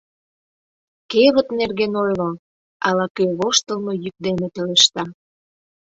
Кевыт нерген ойло! — ала-кӧ воштылмо йӱк дене пелешта.